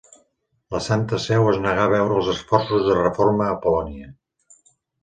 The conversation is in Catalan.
La Santa Seu es negà a veure els esforços de reforma a Polònia.